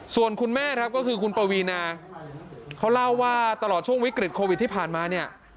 ส่วนคุณแม่ครับก็คือคุณปวีนาเขาเล่าว่าตลอดช่วงวิกฤตโควิดที่ผ่านมาเนี่ย